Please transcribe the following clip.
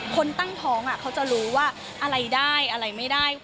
คนตั้งท้องเขาจะรู้ว่าอะไรได้อะไรไม่ได้